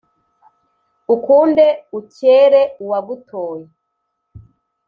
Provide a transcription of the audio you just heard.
ukunnde ukere uwagutoye